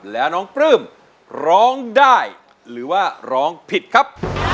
แล้วน้องปลื้มร้องได้หรือว่าร้องผิดครับ